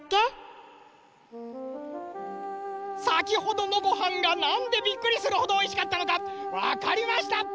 さきほどのごはんがなんでびっくりするほどおいしかったのかわかりました！